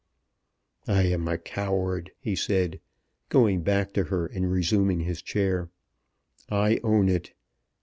"I am a coward," he said, going back to her and resuming his chair. "I own it.